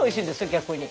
逆に。